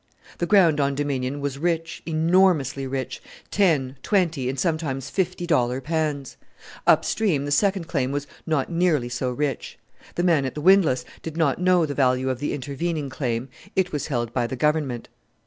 The ground on Dominion was rich enormously rich ten, twenty, and sometimes fifty dollar pans. Up stream the second claim was not nearly so rich. The man at the windlass did not know the value of the intervening claim; it was held by the Government.